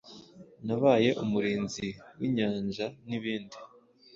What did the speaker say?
nabaye umurinzi winyanjanibindi